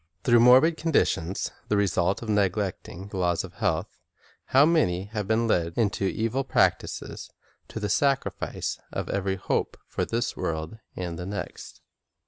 Through morbid condi tions, the result of neglecting the laws of health, how many have been led into evil practises, to the sacrifice of every hope for this world and the next!